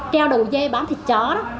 treo đầu dây bán thịt chó